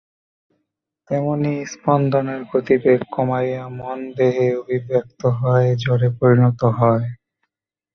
তেমনি স্পন্দনের গতিবেগ কমাইয়া মন দেহে অভিব্যক্ত হয়, জড়ে পরিণত হয়।